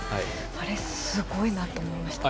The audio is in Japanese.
あれ、すごいなって思いました。